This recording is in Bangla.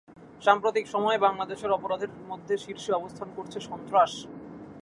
সাম্প্রতিক সময়ে বাংলাদেশের অপরাধের মধ্যে শীর্ষে অবস্থান করছে সন্ত্রাস।